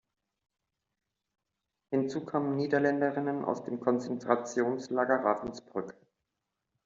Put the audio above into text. Hinzu kamen Niederländerinnen aus dem Konzentrationslager Ravensbrück.